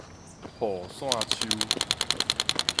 雨傘樹